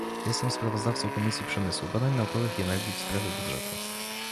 Jestem sprawozdawcą Komisji Przemysłu, Badań Naukowych i Energii w sprawie budżetu